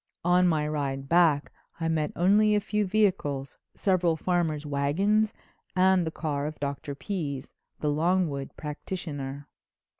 On my ride back I met only a few vehicles, several farmers' wagons and the car of Dr. Pease, the Longwood practitioner.